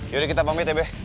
yaudah kita pamit ya be